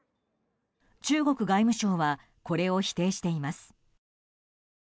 中国外務省はこれを否定しています。